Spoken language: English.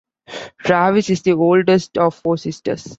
Travis is the oldest of four sisters.